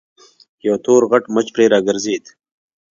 يو تور غټ مچ پرې راګرځېد.